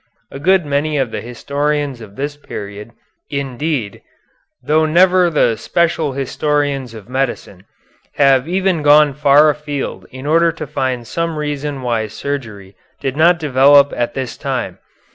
A good many of the historians of this period, indeed, though never the special historians of medicine, have even gone far afield in order to find some reason why surgery did not develop at this time.